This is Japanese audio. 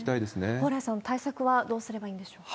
蓬莱さん、対策はどうすればいいんでしょうか？